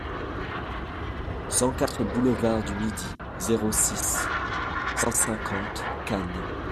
cent quatre boulevard du Midi, zéro six, cent cinquante Cannes